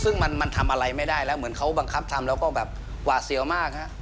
ซึ่งมันทำอะไรไม่ได้แล้วเหมือนเขาบังคับทำแล้วก็แบบหวาดเสียวมากฮะ